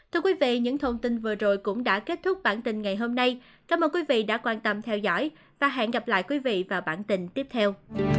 thưa quý vị những thông tin vừa rồi cũng đã kết thúc bản tin ngày hôm nay cảm ơn quý vị đã quan tâm theo dõi và hẹn gặp lại quý vị và bản tin tiếp theo